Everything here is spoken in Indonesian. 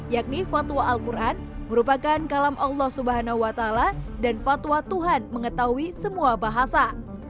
yakni fatwa al quran merupakan kalam allah swt dan fatwa tuhan mengetahui semua bahasa